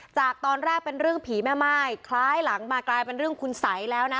จากตอนแรกเป็นเรื่องผีแม่ม่ายคล้ายหลังมากลายเป็นเรื่องคุณสัยแล้วนะ